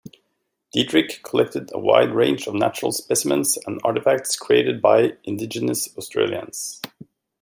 Dietrich collected a wide range of natural specimens and artifacts created by Indigenous Australians.